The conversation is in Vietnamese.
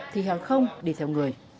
thì hàng không đi theo người